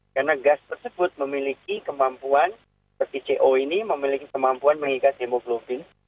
karena gas tersebut memiliki kemampuan seperti co ini memiliki kemampuan mengikat nemo globing